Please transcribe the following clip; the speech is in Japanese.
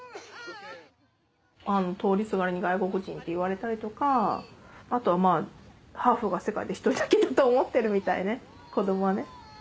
通りすがりに「外国人」って言われたりとかあとはまぁハーフが世界で一人だけだと思ってるみたいね子供はね。